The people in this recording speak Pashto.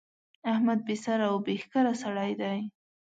احمد بې سره او بې ښکره سړی دی.